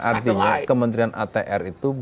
artinya kementerian atr itu